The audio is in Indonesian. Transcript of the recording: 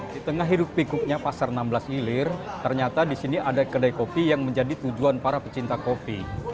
di tengah hidup pikuknya pasar enam belas ilir ternyata di sini ada kedai kopi yang menjadi tujuan para pecinta kopi